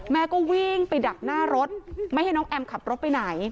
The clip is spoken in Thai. แม่ก็วิ่งไปดักหน้ารถไม่ให้น้องแอมขับรถไปไหน